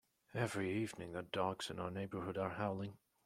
Every evening, the dogs in our neighbourhood are howling.